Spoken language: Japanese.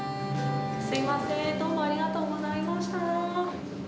すみません、どうもありがとうございました。